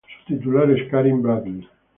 Su titular es Karen Bradley.